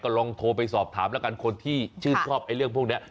ลองโทรไปสอบถามแล้วกันคนที่ชื่นชอบไอ้เรื่องพวกนี้